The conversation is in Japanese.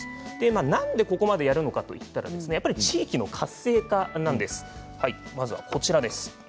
なんでここまでやるのかといったら地域の活性化なんです。